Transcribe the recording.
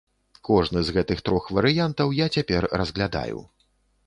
Кожны з гэтых трох варыянтаў я цяпер разглядаю.